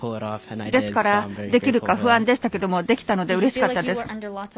ですから、できるか不安でしたができたのでうれしかったです。